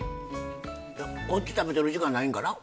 こっち食べてる時間ないんかな。